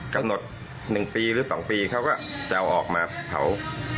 กำหนด๑ปีหรือ๒ปีเขาก็จะเอาออกมาเผา